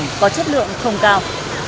dù sản phẩm có chất lượng không cao